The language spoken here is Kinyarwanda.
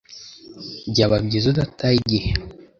Byaba byiza udataye igihe